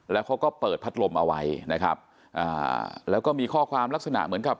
แล้วเขาก็เปิดพัดลมเอาไว้นะครับอ่าแล้วก็มีข้อความลักษณะเหมือนกับ